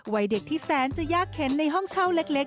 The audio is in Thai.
วัยเด็กที่แสนจะยากเข็นในห้องเช่าเล็ก